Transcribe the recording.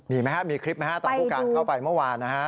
มีมั้ยครับมีคลิปต่อผู้การเข้าไปเมื่อวานนะครับ